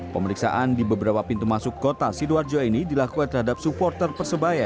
pemeriksaan di beberapa pintu masuk kota sidoarjo ini dilakukan terhadap supporter persebaya